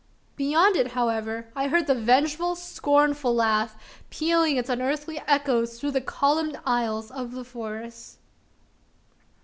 Beyond it, however, I heard the vengeful, scornful, laugh, pealing its unearthly echoes through the columned aisles of the forest!